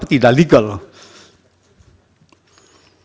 dan dalam sidang ini adalah kepentingan pemilu